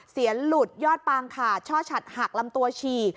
หลุดยอดปางขาดช่อฉัดหักลำตัวฉีก